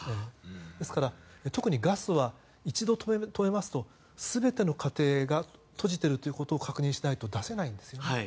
ですから、特にガスは一度止めますと全ての家庭が閉じていることを確認しないと出せないんですよね。